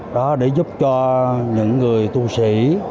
để giúp cho những người tu sĩ